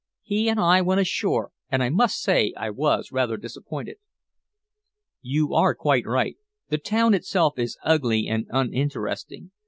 He and I went ashore, and I must say I was rather disappointed." "You are quite right. The town itself is ugly and uninteresting.